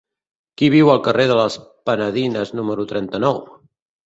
Qui viu al carrer de les Penedides número trenta-nou?